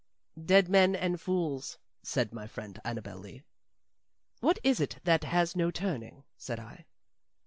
"Dead men and fools," said my friend Annabel Lee. "What is it that has no turning?" said I.